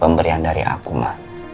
pemberian dari aku ma